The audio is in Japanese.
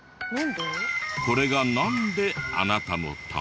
これがなんであなたのため？